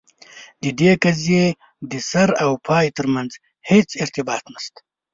د دې قضیې د سر او پای ترمنځ هیڅ ارتباط نسته.